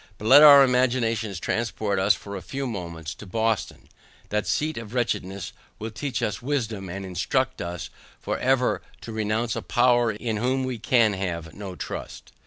But let our imaginations transport us for a few moments to Boston, that seat of wretchedness will teach us wisdom, and instruct us for ever to renounce a power in whom we can have no trust.